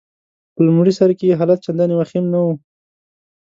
په لمړي سر کي يې حالت چنداني وخیم نه وو.